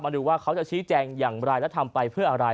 ดูว่าเขาจะชี้แจงอย่างไรและทำไปเพื่ออะไร